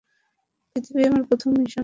পৃথিবী আমার প্রথম মিশন।